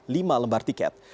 lima lembar tiket